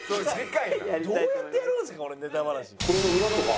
どうやってやるんですか？